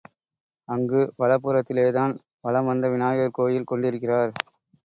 அங்கு வலப் புறத்திலேதான் வலம் வந்த விநாயகர் கோயில் கொண்டிருக்கிறார்.